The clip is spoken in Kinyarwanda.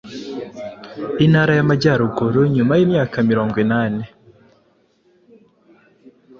Intara y’Amajyaruguru. Nyuma y’imyaka mirongwinani